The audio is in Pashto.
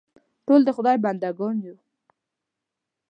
ټول د خدای بندهګان یو.